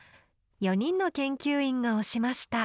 ４人の研究員が推しました。